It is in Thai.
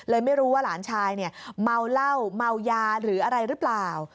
ไม่รู้ว่าหลานชายเนี่ยเมาเหล้าเมายาหรืออะไรหรือเปล่า